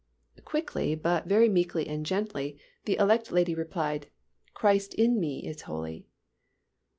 Quickly but very meekly and gently, the elect lady replied, "Christ in me is holy."